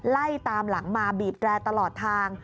ไล่ตามหลังมาบีบแร่ตลอดทาง